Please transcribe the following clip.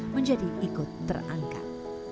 menjadi ikut terangkat